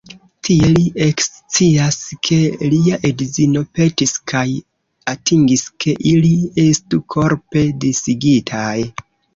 Tie li ekscias ke lia edzino petis kaj atingis ke ili estu "korpe disigitaj".